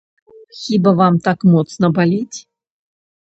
Хіба вам так моцна баліць?